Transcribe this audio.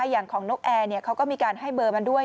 อย่างของนกแอร์เขาก็มีการให้เบอร์มาด้วย